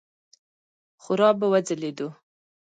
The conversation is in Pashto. خورا به وځلېدو.